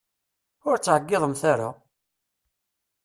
Ur ttɛeggiḍemt ara!